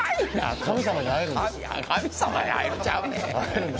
神様に会えるちゃうねん！